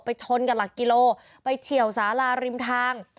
ชนกับหลักกิโลไปเฉียวสาราริมทาง